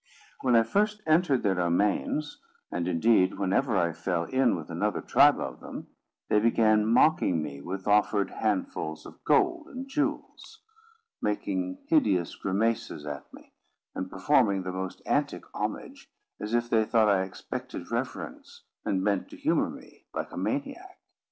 When I first entered their domains, and, indeed, whenever I fell in with another tribe of them, they began mocking me with offered handfuls of gold and jewels, making hideous grimaces at me, and performing the most antic homage, as if they thought I expected reverence, and meant to humour me like a maniac.